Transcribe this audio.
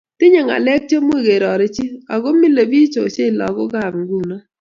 Tinyei ngalek chemuch kerorechi ago mile biich ochei laggokab nguno